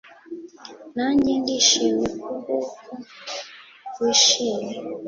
nanjye ndishimye kubw’uko wishimye,